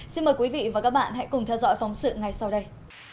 xin mời quý vị và các bạn hãy cùng theo dõi phóng sự ngay sau đây